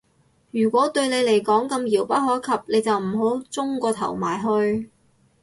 如果對你嚟講咁遙不可及，你就唔好舂個頭埋去